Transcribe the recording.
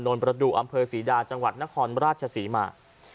ประดูกอำเภอศรีดาจังหวัดนครราชศรีมา